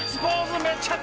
めちゃくちゃ！